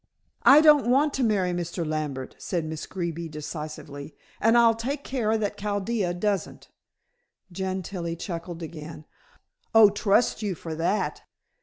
"I don't want to marry Mr. Lambert," said Miss Greeby decisively. "And I'll take care that Chaldea doesn't!" Gentilla chuckled again. "Oh, trust you for that."